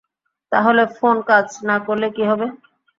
তাহলে, ফোন কাজ না করলে কি হবে?